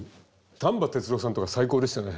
丹波哲郎さんとか最高でしたね。